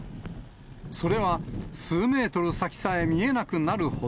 それは数メートル先さえ見えなくなるほど。